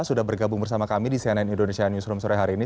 sudah bergabung bersama kami di cnn indonesia newsroom sore hari ini